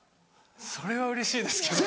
それはうれしいですけど。